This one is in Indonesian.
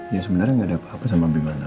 ya sebenarnya gak ada apa apa sama abimana